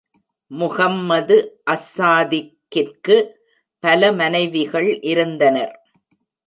முஹம்மது அஸ்-சாதிக்கிற்கு பல மனைவிகள் இருந்தனர்.